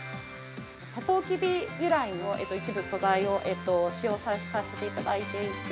サトウキビ由来の一部素材を使用させていただいていて。